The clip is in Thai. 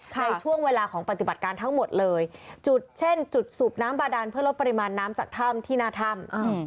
ในช่วงเวลาของปฏิบัติการทั้งหมดเลยจุดเช่นจุดสูบน้ำบาดานเพื่อลดปริมาณน้ำจากถ้ำที่หน้าถ้ำ